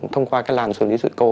thông qua cái làn xử lý sự cố